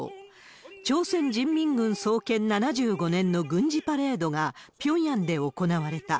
朝鮮人民軍創建７５年の軍事パレードがピョンヤンで行われた。